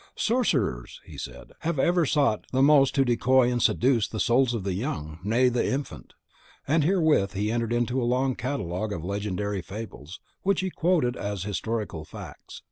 "Sorcerers," said he, "have ever sought the most to decoy and seduce the souls of the young, nay, the infant;" and therewith he entered into a long catalogue of legendary fables, which he quoted as historical facts.